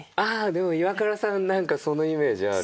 でもイワクラさんなんかそのイメージある。